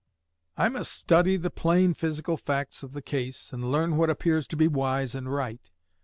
I must study the plain physical facts of the case, and learn what appears to be wise and right....